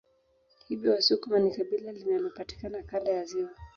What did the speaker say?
Hivyo wasukuma ni kabila linalopatikana Kanda ya ziwa